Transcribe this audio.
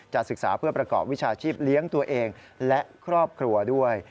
ศึกษาเพื่อประกอบวิชาชีพเลี้ยงตัวเองและครอบครัวด้วย